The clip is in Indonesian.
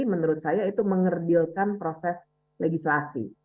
menurut saya itu mengerdilkan proses legislasi